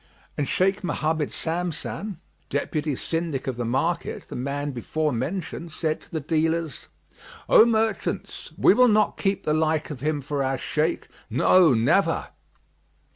"[FN#35] And Shaykh Mohammed Samsam, Deputy Syndic of the market, the man before mentioned, said to the dealers, "O merchants, we will not keep the like of him for our Shaykh; no, never!"